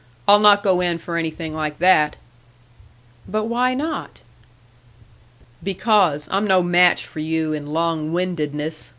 "I'll not go in for anything like that!" "But why not?" "Because, I'm no match for you in long windedness.